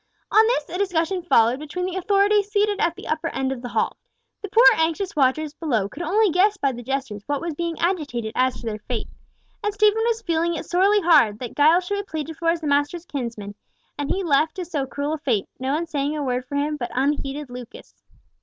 On this a discussion followed between the authorities seated at the upper end of the hall. The poor anxious watchers below could only guess by the gestures what was being agitated as to their fate, and Stephen was feeling it sorely hard that Giles should be pleaded for as the master's kinsman, and he left to so cruel a fate, no one saying a word for him but unheeded Lucas.